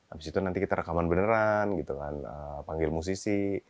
abis itu nanti kita rekaman beneran gitu kan panggil musisi